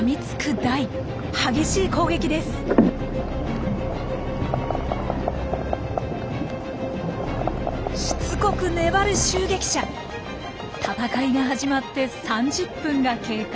戦いが始まって３０分が経過。